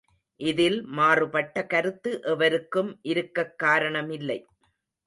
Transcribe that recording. இதில் மாறுபட்ட கருத்து எவருக்கும் இருக்கக் காரணமில்லை.